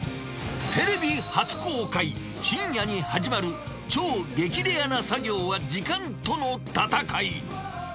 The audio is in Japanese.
テレビ初公開、深夜に始まる超激レアな作業は時間との闘い。